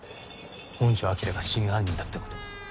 本城彰が真犯人だってこと。